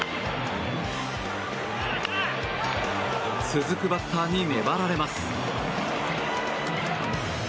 続くバッターに粘られます。